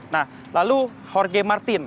nah lalu jorge martin